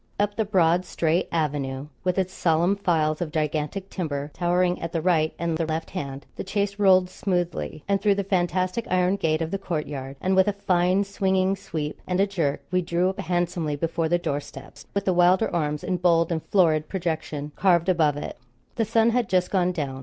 Up the broad straight avenue with its solemn files of gigantic timber towering at the right and the left hand, the chaise rolled smoothly, and through the fantastic iron gate of the courtyard, and with a fine swinging sweep and a jerk, we drew up handsomely before the door steps, with the Wylder arms in bold and florid projection carved above it. The sun had just gone down.